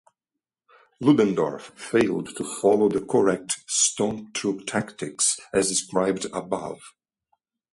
Ludendorff failed to follow the correct stormtroop tactics, as described above.